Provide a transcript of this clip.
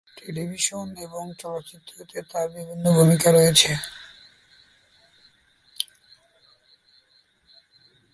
Television এবং চলচ্চিত্রে তার বিভিন্ন ভূমিকা রয়েছে।